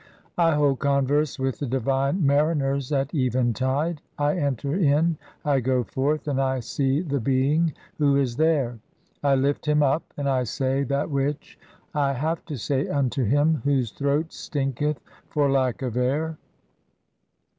I hold converse with the divine "mariners at eventide, I enter in, I go forth, (7) and I see the "being who is there ; I lift him up, and I say that which I have "to say unto him, whose throat stinketh [for lack of air].